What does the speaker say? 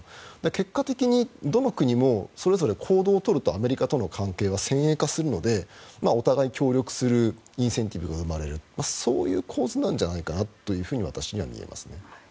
結果的にどの国もそれぞれ行動を取るとアメリカとの関係は先鋭化するのでお互いに協力するインセンティブが生まれるそういう構図なんじゃないかと私には見えます。